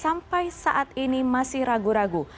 sampai saat ini masih ragu ragu